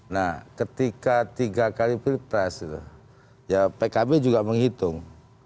nah ketika tiga kali pilpres ya pkb juga menghitung